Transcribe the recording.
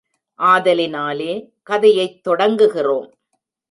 ஆதலினாலே, கதையைத் தொடங்குகிறோம்.